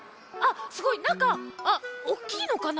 すごいなんかおおきいのかな。